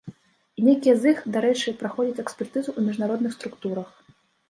І нейкія з іх, дарэчы, праходзяць экспертызу ў міжнародных структурах.